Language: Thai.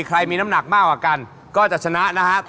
ใครมีน้ำหนักมากกว่ากันก็จะชนะนะครับ